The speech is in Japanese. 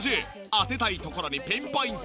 当てたいところにピンポイント。